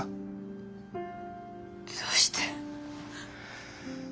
どうして。